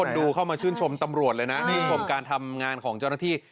ดูเข้ามาชื่นชมตำรวจเลยนะชื่นชมการทำงานของเจ้าหน้าที่